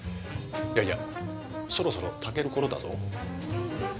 いやいやそろそろ炊ける頃だぞ。